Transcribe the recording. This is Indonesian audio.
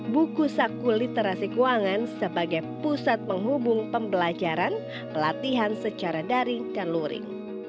buku saku literasi keuangan sebagai pusat penghubung pembelajaran pelatihan secara daring dan luring